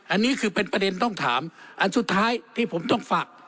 อันนี้คือเป็นประเด็นต้องถามอันสุดท้ายที่ผมต้องฝาก